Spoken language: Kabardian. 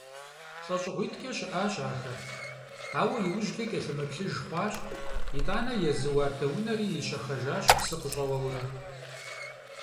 ЛӀэщӀыгъуитӀкӀэ щыӀащ ахэр, ауэ иужькӀэ кӀэлъымыплъыж хъуащ, итӀанэ езы уардэунэри ищэхэжащ псы къыщӀэуэурэ.